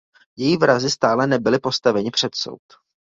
Její vrazi stále nebyli postaveni před soud.